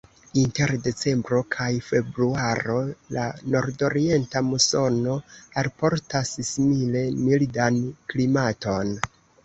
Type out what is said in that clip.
Inter decembro kaj februaro la nordorienta musono alportas simile mildan klimaton.